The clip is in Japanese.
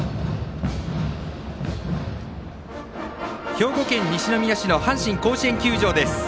兵庫県西宮市の阪神甲子園球場です。